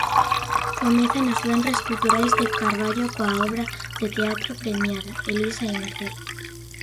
Comezan os venres culturais de Carballo coa obra de teatro premiada, Elisa e Marcela.